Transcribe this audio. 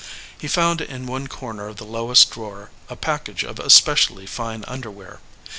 He found in one corner of the lowest drawer a package of especially fine underwear.